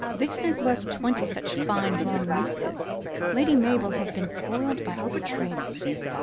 Vixen is worth twenty such fine drawn misses. Lady Mabel has been spoiled by over training."